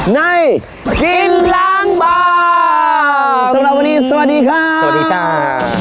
ในกินล้างบางสำหรับวันนี้สวัสดีครับสวัสดีจ้า